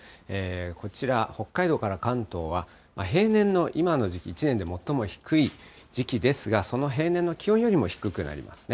こちら、北海道から関東は平年の今の時期、一年で最も低い時期ですが、その平年の気温よりも低くなりますね。